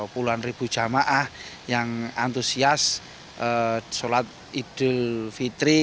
puluhan ribu jamaah yang antusias sholat idul fitri